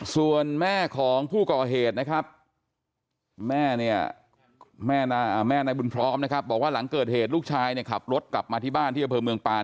ส่วนแม่ของผู้ก่อเหตุนะครับแม่เนี่ยแม่นายบุญพร้อมนะครับบอกว่าหลังเกิดเหตุลูกชายเนี่ยขับรถกลับมาที่บ้านที่อำเภอเมืองปาน